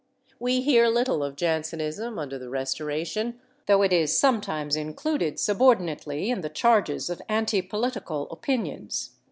We hear little of Jansenism under the Restoration, though it is sometimes included subordinately in the charges of anti political opinions.